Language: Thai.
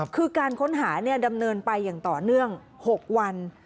คือการค้นหาดำเนินไปอย่างต่อเนื่อง๖วัน